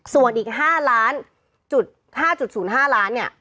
ส่วนอีก๕๐๕ล้านเนี่ย